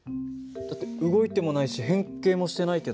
だって動いてもないし変形もしてないけど。